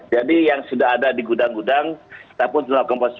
jadi yang sudah ada di gudang gudang kita pun sudah melakukan posisi